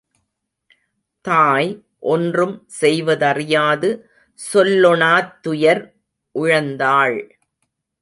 தாய் ஒன்றும் செய்வதறியாது சொல் லொணாத்துயர் உழந்தாள்.